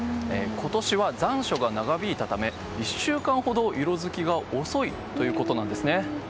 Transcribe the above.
今年は残暑が長引いたため１週間ほど色づきが遅いということなんですね。